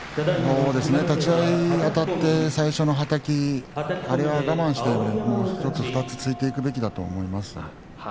立ち合いあたって最初のはたきあれは我慢して１つ２つ突いていくべきだったと思います。